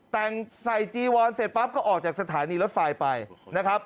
แต่งใส่จีวอนเสร็จปั๊บก็ออกจากสถานีรถไฟไปนะครับ